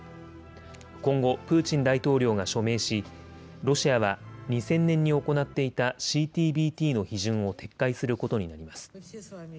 今後、プーチン大統領が署名しロシアは２０００年に行っていたＣＴＢＴの批准を撤回することになります。